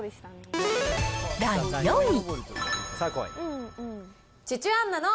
第４位。